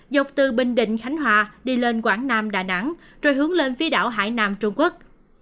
dọc từ bình định khánh hòa đi lên quảng nam đà nẵng rồi hướng lên phía đảo hải nam trung quốc